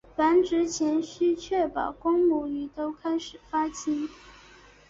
繁殖前须确保公母鱼都开始发情。